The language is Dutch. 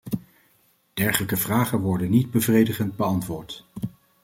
Dergelijke vragen worden niet bevredigend beantwoord.